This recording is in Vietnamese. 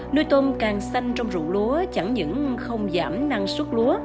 nuôi tôm càng xanh trong rụng lúa chẳng những không giảm năng suất lúa